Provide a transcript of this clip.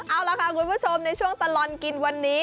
เอาล่ะค่ะคุณผู้ชมในช่วงตลอดกินวันนี้